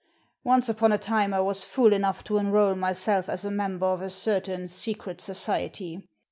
"Once upon a time I was fool enough to enrol myself as a member of a certain secret society.